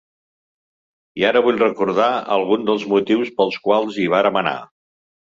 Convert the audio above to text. I ara vull recordar algun dels motius pels quals hi vàrem anar.